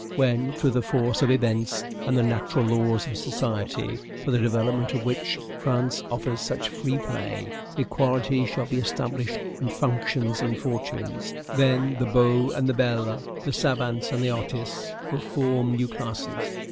When, through the force of events, and the natural laws of society, for the development of which France offers such free play, equality shall be established in functions and fortunes, then the beaux and the belles, the savants and the artists, will form new classes.